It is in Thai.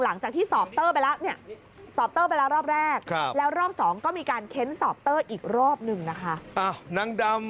หลังจากที่สอบเต้อไปละเนี่ยสอบเต้อไปละรอบแรกแล้วรอบ๒ก็มีการเค้นสอบเต้ออีกรอบนึงนะคะ